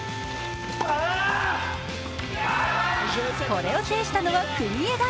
これを制したのは国枝。